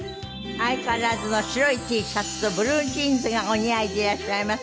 相変わらずの白いＴシャツとブルージーンズがお似合いでいらっしゃいます。